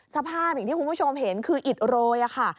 สภาพอย่างที่คุณผู้ชมเห็นคืออิดโรยค่ะ